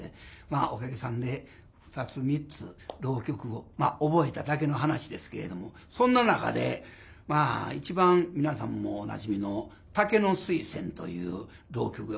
まあおかげさんで２つ３つ浪曲をまあ覚えただけの話ですけれどもそんな中でまあ一番皆さんもおなじみの「竹の水仙」という浪曲がございます。